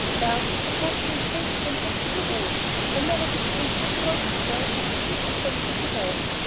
"Well, that must be a great comfort to you all. I never did think that he was as ill as your sister fancied he was.